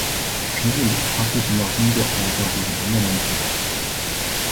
平日里他不仅要工作还要照顾年迈的奶奶。